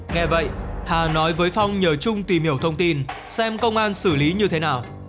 nghe vậy hà nói với phong nhờ trung tìm hiểu thông tin xem công an xử lý như thế nào